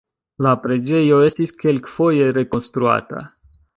La preĝejo estis kelkfoje rekonstruata.